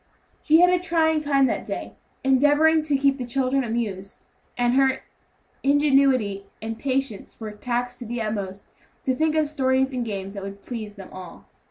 She had a trying time that day, endeavoring to keep the children amused; and her ingenuity and patience were taxed to the utmost to think of stories and games that would please them all.